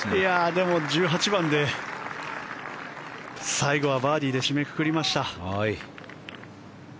でも、１８番で最後はバーディーで締めくくりました。